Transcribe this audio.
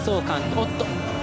おっと。